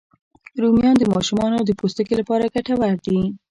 رومیان د ماشومانو د پوستکي لپاره ګټور دي